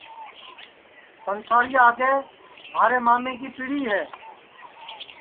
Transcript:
پنسارِیا آگے مھارے مامے کی پِڑی ہے